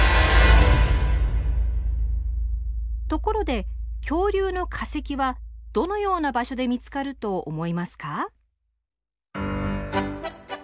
ところで恐竜の化石はどのような場所で見つかると思いますか？